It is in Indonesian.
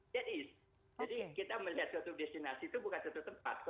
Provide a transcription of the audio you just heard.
jadi kita melihat suatu destinasi itu bukan suatu tempat